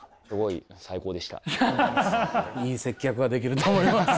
いい接客ができると思います。